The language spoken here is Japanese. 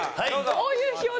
どういう表情？